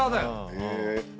へえ！